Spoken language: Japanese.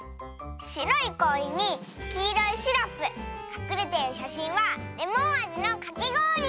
しろいこおりにきいろいシロップかくれてるしゃしんはレモンあじのかきごおり！